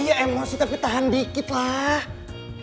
iya emosi tapi tahan dikit lah